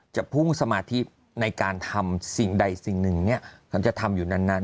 จะพุ่งสมาธิในการทำสิ่งใดสิ่งหนึ่งฉันจะทำอยู่นาน